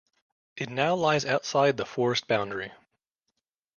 It now lies outside the forest boundary.